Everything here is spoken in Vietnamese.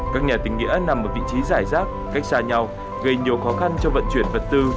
các nhà tình nghĩa nằm ở vị trí giải rác cách xa nhau gây nhiều khó khăn cho vận chuyển vật tư